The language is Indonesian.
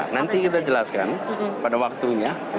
nanti kita jelaskan pada waktunya